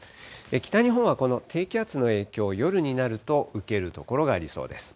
北日本はこの低気圧の影響、夜になると受ける所がありそうです。